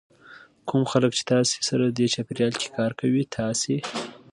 کوم خلک کوم چې تاسې سره دې چاپېریال کې کار کوي تاسې